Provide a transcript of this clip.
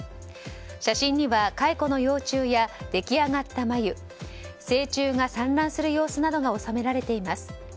写真には、蚕の幼虫や出来上がった繭成虫が産卵する様子が収められています。